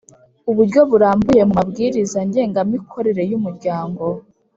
Uburyo burambuye mu mabwiriza ngengamikorere y umuryango